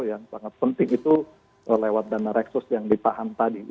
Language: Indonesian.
yang sangat penting itu lewat dana reksus yang ditahan tadi